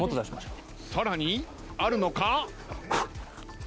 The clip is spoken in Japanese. さらにあるのか？